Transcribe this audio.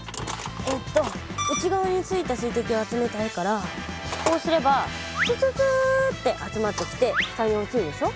えっと内側についた水滴を集めたいからこうすればツツツって集まってきて下に落ちるでしょ。